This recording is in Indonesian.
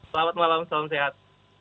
selamat malam salam sehat